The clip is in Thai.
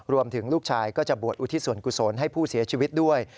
ลูกชายก็จะบวชอุทิศส่วนกุศลให้ผู้เสียชีวิตด้วย